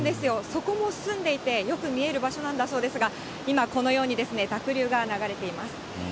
底も澄んでいて、よく見える場所なんだそうですが、今、このように濁流が流れています。